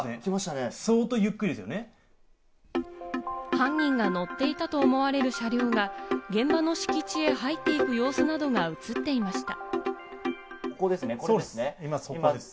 犯人が乗っていたと思われる車両が現場の敷地に入っていく様子などが映っていました。